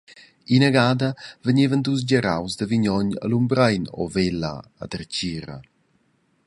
Inagada vegnevan dus geraus da Vignogn e Lumbrein ora Vella a dertgira.